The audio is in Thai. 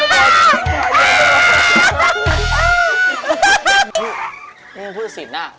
นี่มันผู้สินอ่ะ